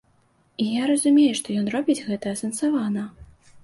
І я разумею, што ён робіць гэта асэнсавана.